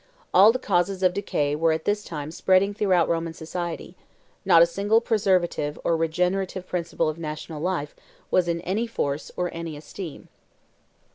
All the causes of decay were at this time spreading throughout Roman society; not a single preservative or regenerative principle of national life was in any force or any esteem.